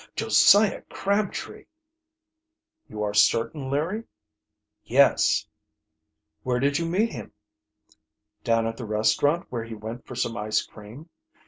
Josiah Crabtree!" "You are certain, Larry?" "Yes." "Where did you meet him?" "Down at the restaurant where he went for some ice cream.